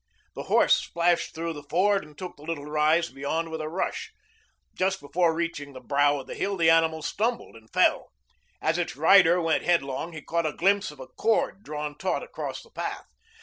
The horse splashed through the ford and took the little rise beyond with a rush. Just before reaching the brow of the hill, the animal stumbled and fell. As its rider went headlong, he caught a glimpse of a cord drawn taut across the path.